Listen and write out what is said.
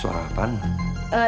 suara apaan ma